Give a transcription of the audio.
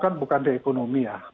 karena apa karena sebenarnya kan